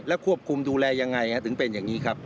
ควบคุมดูแลยังไงถึงเป็นอย่างนี้ครับ